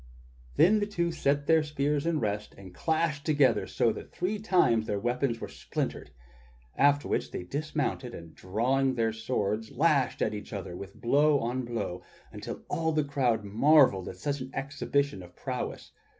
Then the two set their spears in rest and crashed together so that three times their weapons were splintered, after which they dismounted and drawing their swords lashed at each other with blow on blow until all the crowd marvelled at such an exhibition of prowess.